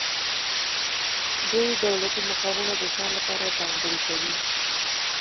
دوی دولتي مقامونه د ځان لپاره ځانګړي کوي.